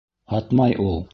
— Һатмай ул.